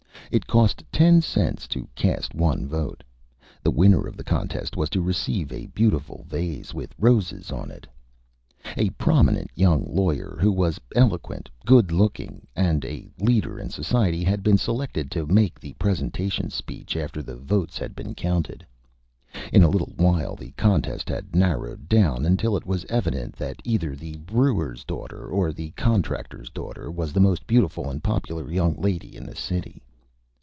It cost Ten Cents to cast one Vote. The Winner of the Contest was to receive a beautiful Vase, with Roses on it. A prominent Young Lawyer, who was Eloquent, Good Looking, and a Leader in Society, had been selected to make the Presentation Speech after the Votes had been counted. In a little while the Contest had narrowed down until it was Evident that either the Brewer's Daughter or the Contractor's Daughter was the Most Beautiful and Popular Young Lady in the City.